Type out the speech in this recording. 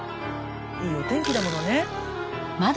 いいお天気だものね。